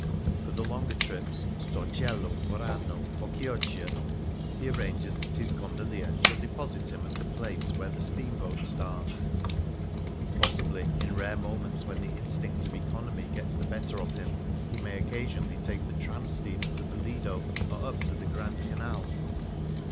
For the longer trips — to Torcello, Murano, or Chioggia — he arranges that his gondolier shall deposit him at the place where the steamboat starts. Possibly, in rare moments when the instinct of economy gets the better of him, he may occasionally take the " tram '' steamer to the Lido, or up the Grand Canal.